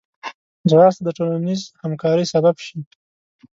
ځغاسته د ټولنیز همکارۍ سبب شي